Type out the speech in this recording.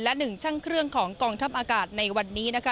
และหนึ่งช่างเครื่องของกองทัพอากาศในวันนี้นะคะ